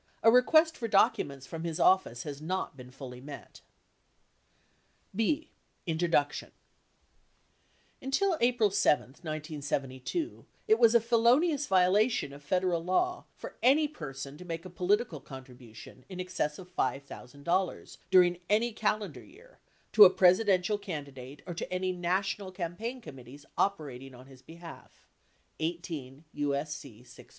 58 A request for documents from his office has not been fully met. B. Introduction Until April 7, 1972, it was a felonious violation of Federal law for any person to make a political contribution in excess of $5,000 during any calendar year to a Presidential candidate or to any national cam paign committees operating on his behalf (18 USC 608).